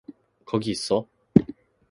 거기 있어.